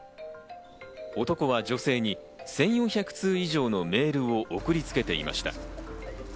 男は女性に１４００通以上のメールを送りつけていました。